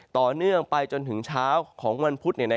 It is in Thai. ต่อเนื่องไปจนถึงเช้าของวันพุธ